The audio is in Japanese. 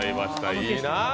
いいな。